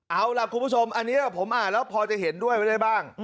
เอาล่ะคุณผู้ชมอันนี้ผมอ่านแล้วพอจะเห็นด้วยไว้ได้บ้าง